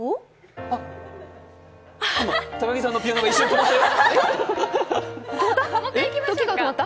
あ、今、高木さんのピアノが一瞬止まった。